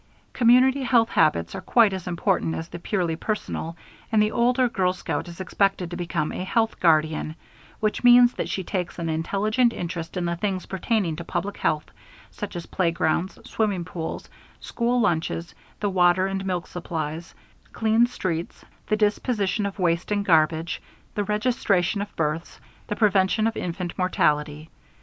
Community health habits are quite as important as the purely personal, and the older girl scout is expected to become a "health guardian," which means that she takes an intelligent interest in the things pertaining to public health, such as playgrounds, swimming pools, school lunches, the water and milk supplies, clean streets, the disposition of waste and garbage, the registration of births, and the prevention of infant mortality.